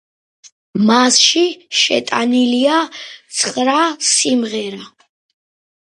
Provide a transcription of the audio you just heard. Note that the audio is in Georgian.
მასში შეტანილია ცხრა სიმღერა.